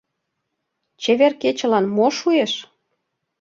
Чевер кечылан мо шуэш?